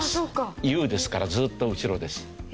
Ｕですからずーっと後ろです。